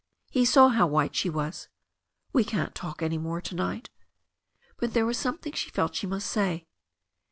He saw how white she was. "We can't talk any more to night." But there was something she felt she must say.